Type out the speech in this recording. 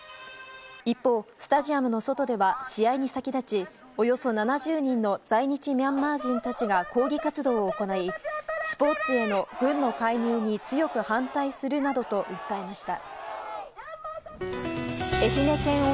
一方、スタジアムの外では試合に先立ちおよそ７０人の在日ミャンマー人たちが抗議活動を行いスポーツへの軍の介入に強く反対するなどと訴えました。